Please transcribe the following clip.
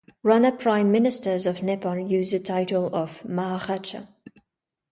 Rana Prime ministers of Nepal used the title of "Maharaja".